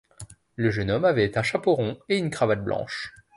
Le jeune homme avait un chapeau rond et une cravate blanche.